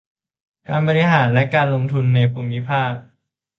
การบริการและการลงทุนในภูมิภาค